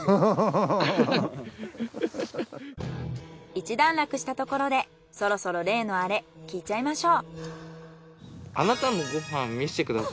一段落したところでそろそろ例のアレ聞いちゃいましょう。